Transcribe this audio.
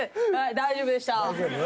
大丈夫でした。